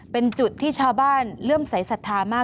เป็นจุดที่ชาวบ้านเลื่อมสายศรัทธามาก